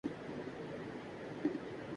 تنخواہ دار ملازمین کے لیے بجٹ میں کوئی ریلیف نہیں